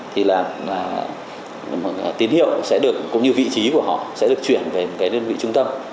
thì là tín hiệu sẽ được cũng như vị trí của họ sẽ được chuyển về một cái đơn vị trung tâm